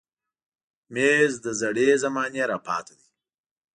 مېز له زړې زمانې راپاتې دی.